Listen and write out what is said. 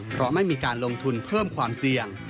เพราะไม่มีการลงทุนเพิ่มความเสี่ยง